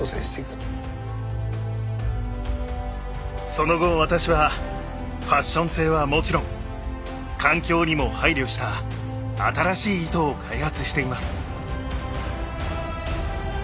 その後私はファッション性はもちろん環境にも配慮した新しい糸を開発しています。